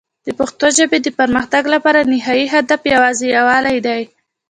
د پښتو ژبې د پرمختګ لپاره نهایي هدف یوازې یووالی دی.